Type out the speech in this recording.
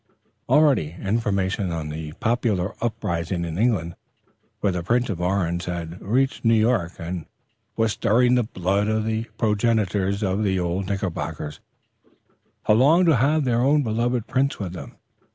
Already, information of the popular uprising in England for the Prince of Orange had reached New York and was stirring the blood of the progenitors of the old Knickerbockers, who longed to have their own beloved prince with them.